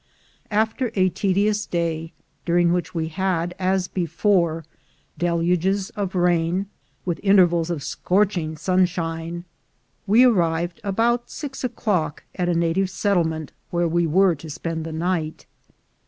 After a tedious day, during which we had, as be fore, deluges of rain, with intervals of scorching sun shine, we arrived about six o'clock at a native settle ment, where we were to spend the night.